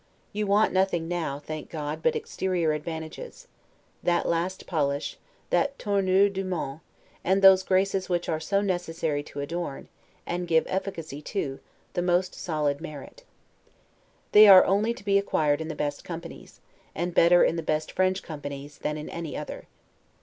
You want nothing now, thank God, but exterior advantages, that last polish, that 'tournure du monde', and those graces, which are so necessary to adorn, and give efficacy to, the most solid merit. They are only to be acquired in the best companies, and better in the best French companies than in any other.